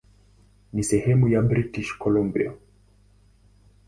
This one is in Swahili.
Ni sehemu ya British Columbia.